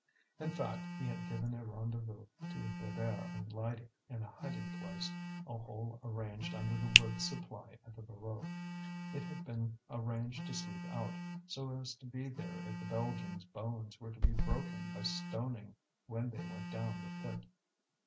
In fact, he had given a rendezvous to Bébert and Lydie in a hiding place, a hole arranged under the wood supply at the Voreux. It had been arranged to sleep out, so as to be there if the Belgians' bones were to be broken by stoning when they went down the pit.